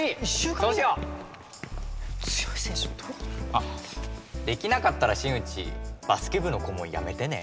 あっできなかったら新内バスケ部の顧問やめてね。